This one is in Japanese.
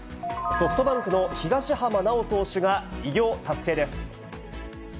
ソフトバンクの東浜巨投手が偉業達成です。